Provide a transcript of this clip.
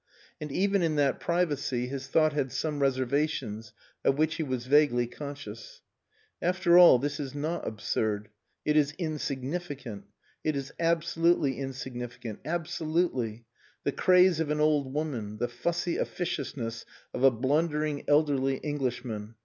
And even in that privacy, his thought had some reservations of which he was vaguely conscious. "After all, this is not absurd. It is insignificant. It is absolutely insignificant absolutely. The craze of an old woman the fussy officiousness of a blundering elderly Englishman.